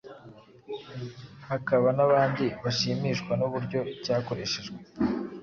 hakaba n’abandi bashimishwa n’uburyo cyakoreshejwe